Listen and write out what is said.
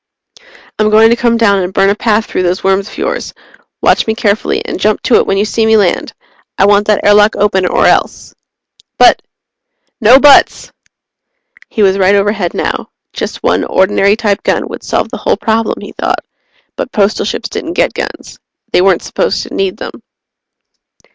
"I'm going to come down and burn a path through those worms of yours. Watch me carefully, and jump to it when you see me land. I want that airlock open, or else." "But " "No buts!" He was right overhead now. Just one ordinary type gun would solve the whole problem, he thought. But Postal Ships didn't get guns. They weren't supposed to need them.